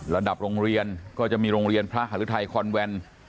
ระดับโรงเรียนก็จะมีโรงเรียนพระหารุทัยคอนแวน